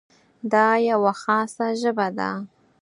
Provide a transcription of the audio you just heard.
دا یوه خاصه ژبه ده.